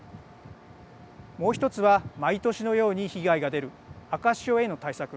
もう１つは毎年のように被害が出る赤潮への対策。